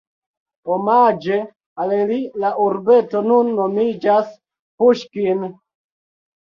Omaĝe al li la urbeto nun nomiĝas Puŝkin.